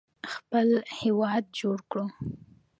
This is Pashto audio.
خپل هیواد جوړ کړو.